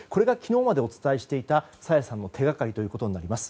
これが昨日までお伝えしていた朝芽さんの手掛かりとなります。